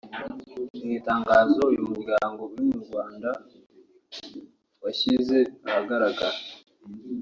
Mu itangazo uyu muryango uri mu Rwanda washyize ahagaragara